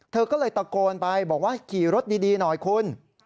เธอก็เลยตะโกนไปบอกว่าขี่รถดีหน่อยคุณ